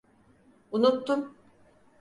Unuttum.